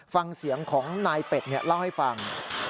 ฟังเสียงของนายเป็ดเล่าให้ฟัง